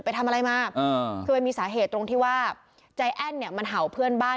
ไปทำอะไรมาคือมันมีสาเหตุตรงที่ว่าใจแอ้นเนี่ยมันเห่าเพื่อนบ้าน